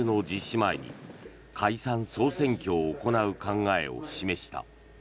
前に解散・総選挙を行う考えを示した。